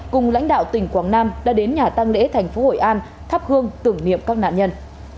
cùng lãnh đạo tỉnh quảng nam đã đến nhà tăng lễ thành phố hội an thắp hương tưởng niệm các nạn nhân